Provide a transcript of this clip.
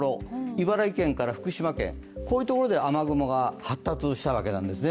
茨城県から福島県、こういうところで雨雲が発達したわけなんですね。